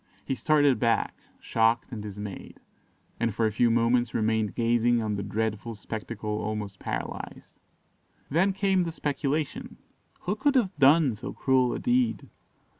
He started back, shocked and dismayed, and for a few moments remained gazing on the dreadful spectacle almost paralysed. Then came the speculation who could have done so cruel a deed?